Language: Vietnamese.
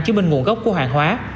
chứa bên nguồn gốc của hàng hóa